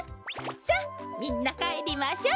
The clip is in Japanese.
さっみんなかえりましょう。